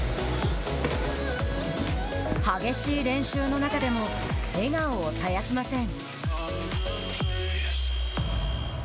激しい練習の中でも笑顔を絶やしません。